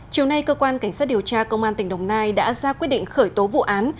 chiều nay cơ quan cảnh sát điều tra công an tỉnh đồng nai đã ra quyết định khởi tố vụ án